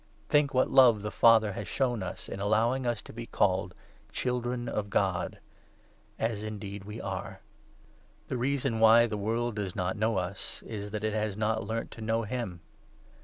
Think what love the Father has shown us in i 3 Th* u!^her>* Allowing us to be called ' Children of God '; as indeed we are. The reason why the world does not know us is that it has not learnt to know him.